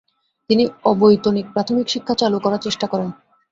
তিনি অবৈতনিক প্রাথমিক শিক্ষা চালু করার চে্টা করেন।